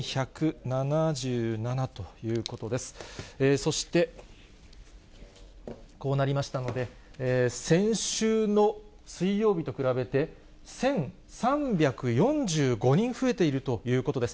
そして、こうなりましたので、先週の水曜日と比べて、１３４５人増えているということです。